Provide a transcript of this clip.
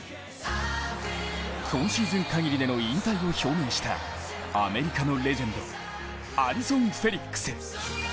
今シーズン限りでの引退を表明したアメリカのレジェンドアリソン・フェリックス。